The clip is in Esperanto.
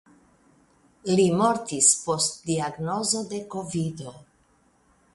Li mortis post diagnozo de kovido.